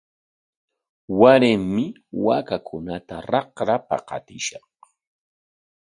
Waraymi waakakunata raqrapa qatishaq.